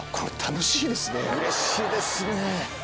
うれしいですね。